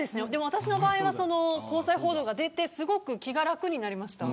私の場合は交際報道が出てすごく気が楽になりました。